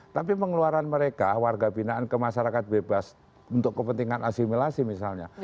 tapi pengeluaran mereka warga binaan ke masyarakat bebas untuk kepentingan asimilasi misalnya